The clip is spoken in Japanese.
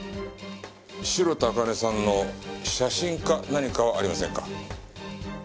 白田朱音さんの写真か何かはありませんか？